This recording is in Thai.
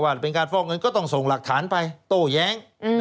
เป็นการฟอกเงินก็ต้องส่งหลักฐานไปโต้แย้ง